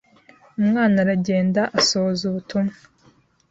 umwana aragenda asohoza ubutumwa.